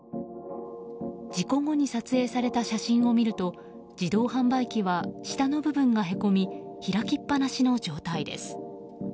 事故後に撮影された写真を見ると自動販売機は下の部分がへこみ開きっぱなしの状態です。